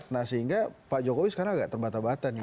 nah sehingga pak jokowi sekarang agak terbata bata nih